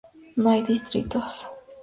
No hay distritos.